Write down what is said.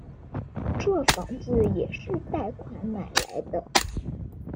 这房子也是贷款买来的